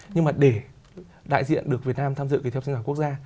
nhưng mà để đại diện được việt nam tham dự cái thi học sinh giỏi quốc gia